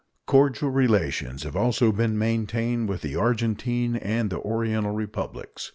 Cordial relations have also been maintained with the Argentine and the Oriental Republics.